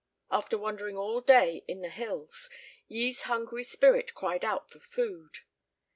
After wandering all day in the hills, Yi's hungry spirit cried out for food.